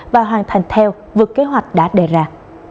và hoàn thành theo vượt kế hoạch đã đề ra